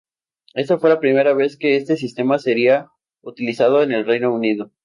Esta fue la primera vez que este sistema sería utilizado en el Reino Unido.